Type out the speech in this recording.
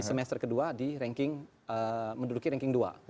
semester kedua di ranking menduduki ranking dua